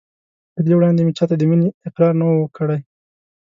له دې وړاندې مې چا ته د مینې اقرار نه و کړی.